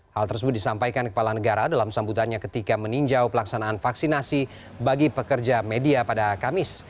hal tersebut disampaikan kepala negara dalam sambutannya ketika meninjau pelaksanaan vaksinasi bagi pekerja media pada kamis